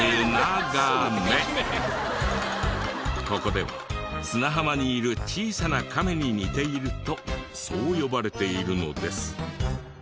ここでは砂浜にいる小さなカメに似ているとそう呼ばれているのです。